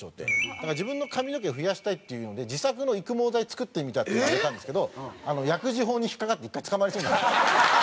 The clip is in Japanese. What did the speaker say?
だから自分の髪の毛を増やしたいっていうので「自作の育毛剤作ってみた」っていうのを上げたんですけど薬事法に引っかかって１回捕まりそうになった。